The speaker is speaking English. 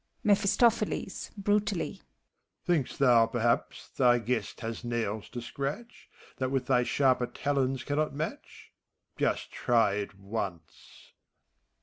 MEPHiSTOPHELES (brutdlly), Think'st thou, perhaps, thy guest has nails to scrateh, That with thy sharper talons cannot match f Just try it once